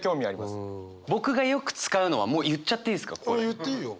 言っていいよ。